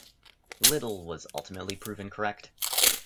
Little was ultimately proven correct.